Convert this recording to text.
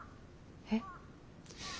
えっ。